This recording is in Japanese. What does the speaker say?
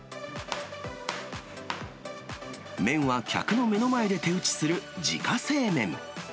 麺は客の目の前で手打ちする自家製麺。